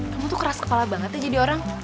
kamu tuh keras kepala banget ya jadi orang